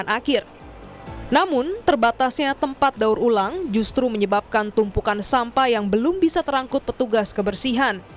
namun terbatasnya tempat daur ulang justru menyebabkan tumpukan sampah yang belum bisa terangkut petugas kebersihan